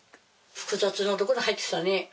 複雑なところ入ってきたね。